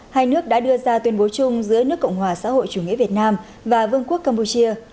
hai nước đã đưa ra tuyên bố chung giữa nước cộng hòa xã hội chủ nghĩa việt nam và vương quốc campuchia